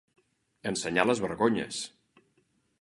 Ensenyar les vergonyes.